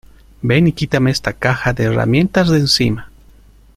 ¡ Ven y quítame esta caja de herramientas de encima!